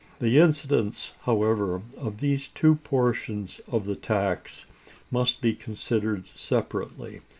The incidence, however, of these two portions of the tax must be considered separately.